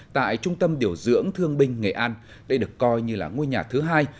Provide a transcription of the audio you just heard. tại trung tâm điều dưỡng thương binh nghệ an đây được coi như là ngôi nhà thứ hai